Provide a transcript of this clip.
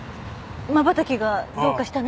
まばたきがどうかしたの？